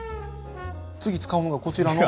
次使うのがこちらの。